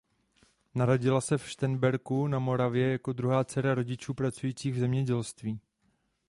Narodila se ve Šternberku na Moravě jako druhá dcera rodičů pracujících v zemědělství.